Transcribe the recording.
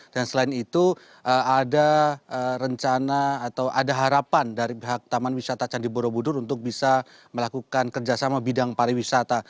selain itu ada rencana atau ada harapan dari pihak taman wisata candi borobudur untuk bisa melakukan kerjasama bidang pariwisata